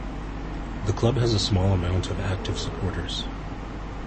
The club has a small amount of active supporters.